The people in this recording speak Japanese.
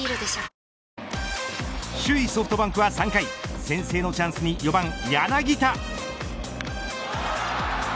」首位ソフトバンクは３回先制のチャンスに４番柳田。